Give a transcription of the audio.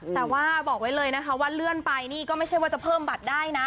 แต่ว่าบอกไว้เลยนะคะว่าเลื่อนไปนี่ก็ไม่ใช่ว่าจะเพิ่มบัตรได้นะ